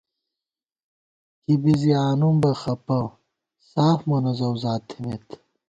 کِبی زِی آنُم بہ خپہ، ساف مونہ زؤزات تھِمېت